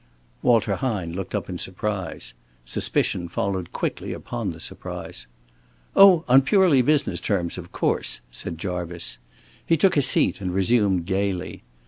Walter Hine looked up in surprise. Suspicion followed quickly upon the surprise. "Oh, on purely business terms, of course," said Jarvice. He took a seat and resumed gaily.